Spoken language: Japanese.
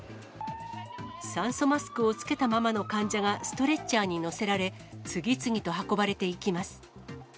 酸素マスクを着けたままの患者がストレッチャーに乗せられ、次々と運ばれていきます。